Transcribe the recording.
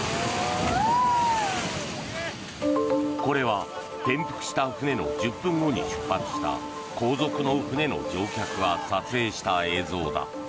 これは転覆した船の１０分後に出発した後続の船の乗客が撮影した映像だ。